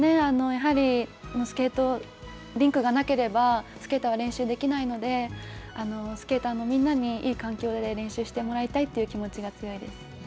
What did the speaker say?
やはり、スケートリンクがなければ、スケーターは練習できないので、スケーターのみんなに、いい環境で練習してもらいたいという気持ちが強いです。